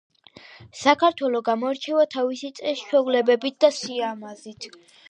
საქართელო გამოირჩევა თავისი წესჩვეულებებით და სიამაზით